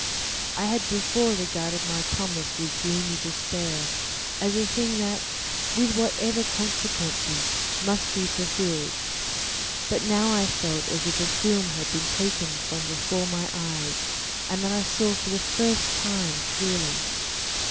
I had before regarded my promise with a gloomy despair as a thing that, with whatever consequences, must be fulfilled; but I now felt as if a film had been taken from before my eyes and that I for the first time saw clearly.